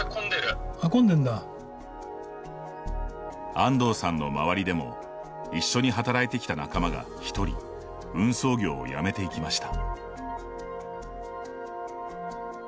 安東さんのまわりでも一緒に働いてきた仲間が、１人運送業をやめていきました。